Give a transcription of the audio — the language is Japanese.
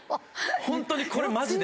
ホントにこれマジで。